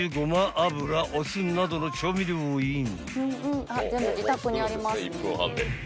油お酢などの調味料をイン］